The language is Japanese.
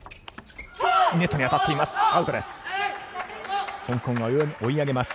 ネットに当たっています。